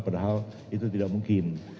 padahal itu tidak mungkin